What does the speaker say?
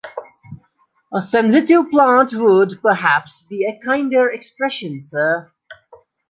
A sensitive plant would, perhaps, be a kinder expression, sir.